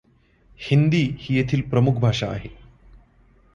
हिंदी ही येथील प्रमुख भाषा आहे.